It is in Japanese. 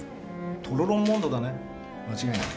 「トロロン・モンド」だね間違いない。